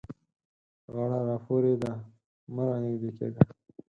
غاړه را پورې ده؛ مه رانږدې کېږه.